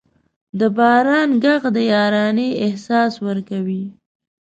د باران ږغ د یارانې احساس ورکوي.